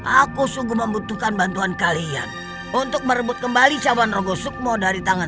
aku sungguh membutuhkan bantuan kalian untuk merebut kembali cawan rogo sukmo dari tangan